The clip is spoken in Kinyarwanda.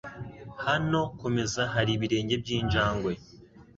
Hano kumeza hari ibirenge byinjangwe.